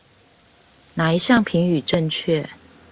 哪一項評語正確？